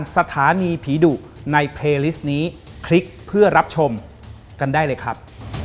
สวัสดีครับขอบคุณครับ